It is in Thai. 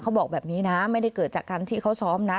บอกแบบนี้นะไม่ได้เกิดจากการที่เขาซ้อมนะ